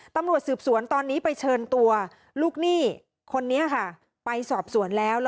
ตำรวจสืบสวนตอนนี้ไปเชิญตัวลูกหนี้คนนี้ค่ะไปสอบสวนแล้ว